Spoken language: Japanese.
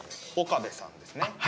岡部さんですね。